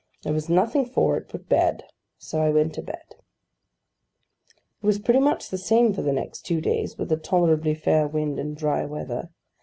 There was nothing for it but bed; so I went to bed. It was pretty much the same for the next two days, with a tolerably fair wind and dry weather.